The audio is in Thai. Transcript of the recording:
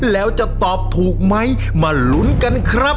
แล้วจะตอบถูกไหมมาลุ้นกันครับ